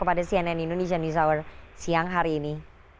kepada cnn indonesia news hour siang hari ini